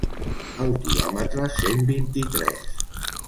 Al quilòmetre cent vint-i-tres.